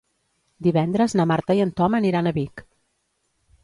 Divendres na Marta i en Tom aniran a Vic.